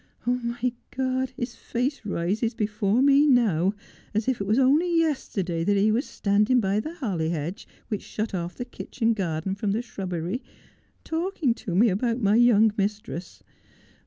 Oh, my God, his face rises before me now, as if it was only yesterday that he was standing by the holly hedge which shut off the kitchen garden from the shrub bery, talking to me about my young mistress.